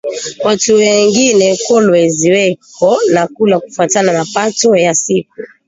Watu wengine kolwezi weko na kula kufatana na pato ya siku